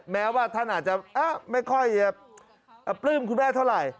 แม้ว่าท่านอาจจะไม่ค่อยจะปลื้มคุณแม่เท่าไหร่